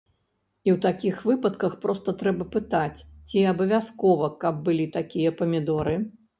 І ў такіх выпадках проста трэба пытаць, ці абавязкова, каб былі такія памідоры.